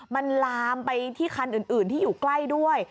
มันลามไปที่คันอื่นที่อยู่ใกล้ด้วย